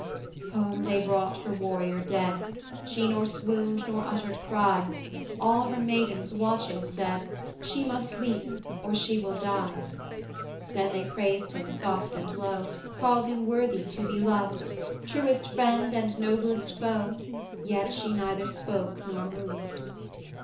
Home they brought her warrior dead: She nor swooned, nor uttered cry: All her maidens, watching, said, 'She must weep or she will die.' Then they praised him, soft and low, Called him worthy to be loved, Truest friend and noblest foe; Yet she neither spoke nor moved.